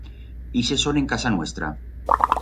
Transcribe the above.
Ixes son en casa nuestra.